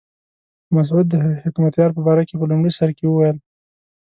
مسعود د حکمتیار په باره کې په لومړي سر کې وویل.